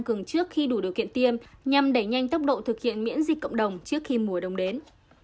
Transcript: cường trước khi đủ điều kiện tiêm nhằm đẩy nhanh tốc độ thực hiện miễn dịch cộng đồng trước khi mùa đông đến